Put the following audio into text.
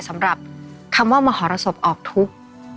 สำหรับคำว่ามหรสบออกทุกข์